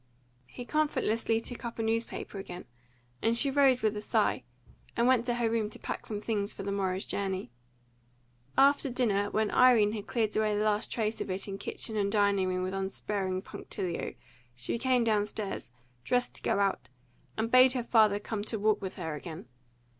He comfortlessly took up a newspaper again, and she rose with a sigh, and went to her room to pack some things for the morrow's journey. After dinner, when Irene had cleared away the last trace of it in kitchen and dining room with unsparing punctilio, she came downstairs, dressed to go out, and bade her father come to walk with her again.